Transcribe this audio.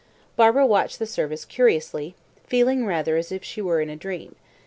Barbara watched the service curiously, feeling rather as if she were in a dream.